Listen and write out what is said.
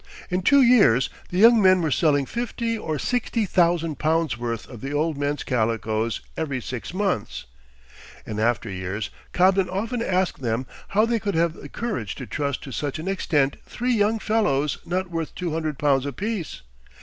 In two years the young men were selling fifty or sixty thousand pounds' worth of the old men's calicoes every six months. In after years Cobden often asked them how they could have the courage to trust to such an extent three young fellows not worth two hundred pounds apiece.